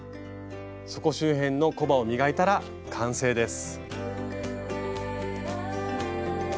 底周辺のコバを磨いたら完成です。